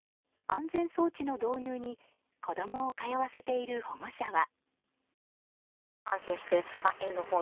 安全装置の導入に子供を通わせている保護者は。